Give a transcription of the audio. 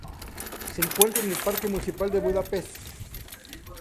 Se encuentra en el Parque Municipal de Budapest.